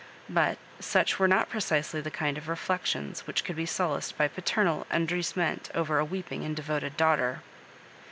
But such were not precisely the kind of reflect tions which could be solaced by paternal cUten drissement over a weeping and devoted daughter.